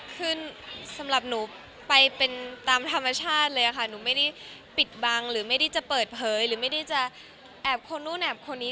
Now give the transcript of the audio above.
คือสำหรับหนูไปเป็นตามธรรมชาติเลยค่ะหนูไม่ได้ปิดบังหรือไม่ได้จะเปิดเผยหรือไม่ได้จะแอบคนนู้นแอบคนนี้